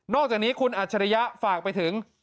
อกจากนี้คุณอัจฉริยะฝากไปถึง